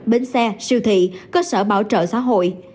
bến xe siêu thị cơ sở bảo trợ xã hội